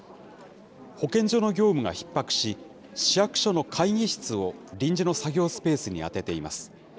保健所の業務がひっ迫し、市役所の会議室を、臨時の作業スペースに当てています。